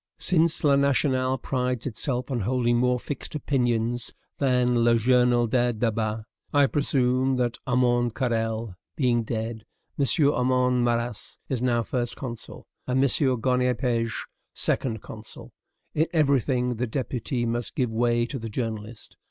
Since "Le National" prides itself on holding more fixed opinions than "Le Journal des Debats," I presume that, Armand Carrel being dead, M. Armand Marrast is now first consul, and M. Garnier Pages second consul. In every thing the deputy must give way to the journalist.